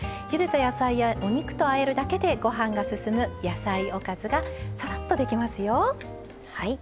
ゆでた野菜やお肉とあえるだけでご飯がすすむ野菜おかずがささっとできますよ。